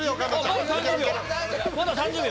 まだ３０秒！